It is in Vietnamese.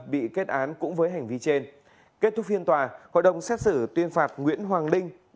bị kết án cũng với hành vi trên kết thúc phiên tòa hội đồng xét xử tuyên phạt nguyễn hoàng linh